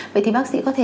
vậy thì bác sĩ có thể